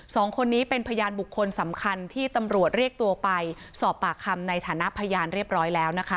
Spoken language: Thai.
สองคนนี้เป็นพยานบุคคลสำคัญที่ตำรวจเรียกตัวไปสอบปากคำในฐานะพยานเรียบร้อยแล้วนะคะ